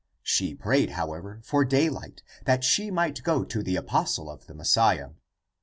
She prayed, however, for day light, that she might go to the apostle of the Mes siah.